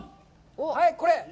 はい、これ。